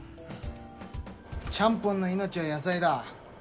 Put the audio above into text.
ちゃんぽんの命は野菜だ。